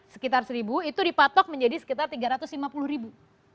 sekitar seribu itu dipatok menjadi sekitar tiga ratus lima puluh ribu